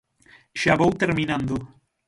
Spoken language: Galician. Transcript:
Xa vou terminando.